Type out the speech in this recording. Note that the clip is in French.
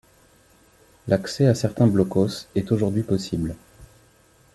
L'accès à certains blockhaus est aujourd'hui possible.